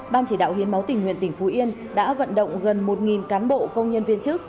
ban chỉ đạo hiến máu tỉnh nguyện tỉnh phú yên đã vận động gần một cán bộ công nhân viên chức